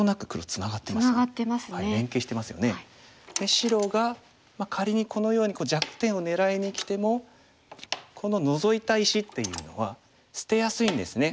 白が仮にこのように弱点を狙いにきてもこのノゾいた石っていうのは捨てやすいんですね。